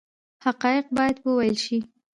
حقایق باید وویل شي